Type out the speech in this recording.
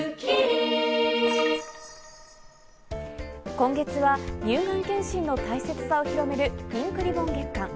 今月は乳がん検診の大切さを広めるピンクリボン月間。